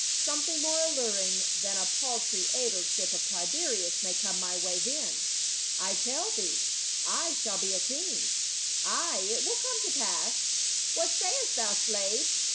Something more alluring than a paltry aedileship of Tiberias may come my way then. I tell thee I shall be a king. Ay, it will come to pass. — What sayest thou, slave ?